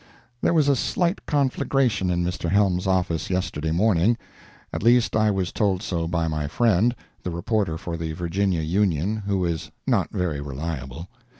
There was a slight conflagration in Mr. Helm's office yesterday morning—at least I was told so by my friend, the reporter for the Virginia Union, who is not very reliable.